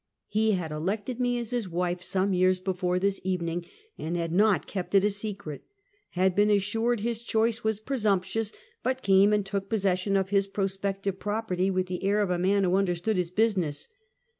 He had elected me as his wife some years before this evening, and had not kept it secret; had been as sured his choice was presumptuous, but came and took possession of his prospective property with the air of a man who understood his business.